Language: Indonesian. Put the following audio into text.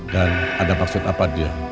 dan ada maksud apa dia